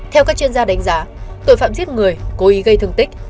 theo các chuyên gia đánh giá tội phạm giết người cố ý gây thương tích